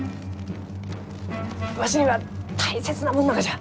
わしには大切なもんながじゃ。